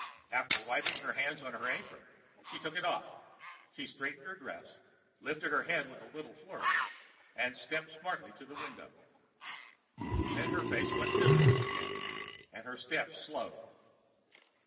After wiping her hands on her apron, she took it off. She straightened her dress, lifted her head with a little flourish, and stepped smartly toward the window. Then her face went miserable again and her steps slowed.